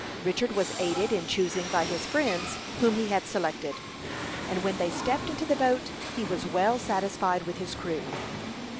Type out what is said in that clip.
Richard was aided in choosing by his friends whom he had selected, and when they stepped into the boat, he was well satisfied with his crew.